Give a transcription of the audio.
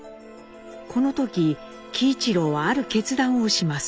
この時喜一郎はある決断をします。